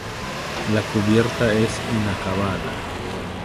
La cubierta es inacabada.